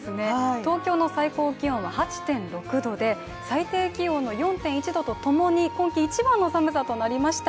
東京の最高気温は８．６度で最低気温の４．１度とともに今季一番の寒さとなりました。